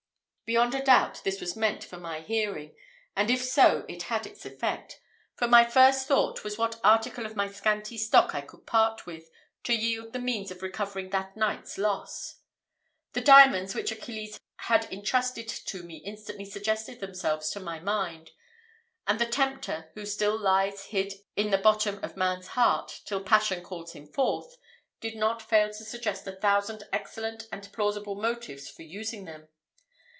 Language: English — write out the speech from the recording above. Beyond a doubt this was meant for my hearing, and if so, it had its effect; for my first thought was what article of my scanty stock I could part with, to yield the means of recovering that night's loss. The diamonds which Achilles had entrusted to me instantly suggested themselves to my mind; and the tempter, who still lies hid in the bottom of man's heart till passion calls him forth, did not fail to suggest a thousand excellent and plausible motives for using them.